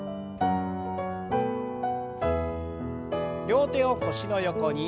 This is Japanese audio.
両手を腰の横に。